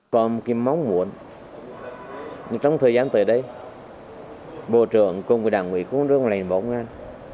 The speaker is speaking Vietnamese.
có một cái mong muốn trong thời gian tới đây bộ trưởng cùng với đảng quỹ cũng đưa ra một lệnh bảo an